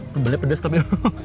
kebelet pedes tapi